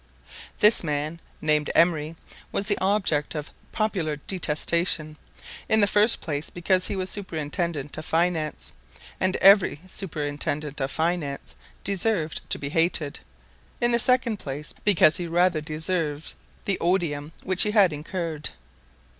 This man, named Emery, was the object of popular detestation, in the first place because he was superintendent of finance, and every superintendent of finance deserved to be hated; in the second place, because he rather deserved the odium which he had incurred.